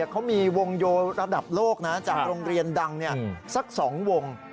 เขามีวงโยระดับโลกนะจากโรงเรียนดังสัก๒วง